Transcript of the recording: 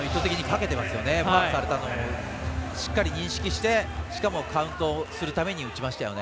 マークされたのをしっかり認識してしかもカウントするために打ちましたよね。